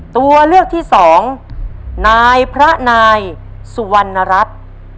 ตัวเลือกที่สองนายพระนายสุวรรณรัฐ